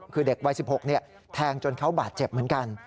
คือเด็กวัย๑๖แทงจนเขาบาดเจ็บเหมือนกัน